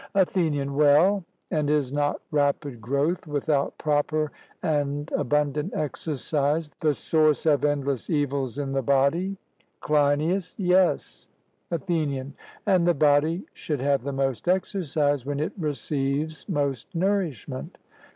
ATHENIAN: Well, and is not rapid growth without proper and abundant exercise the source endless evils in the body? CLEINIAS: Yes. ATHENIAN: And the body should have the most exercise when it receives most nourishment?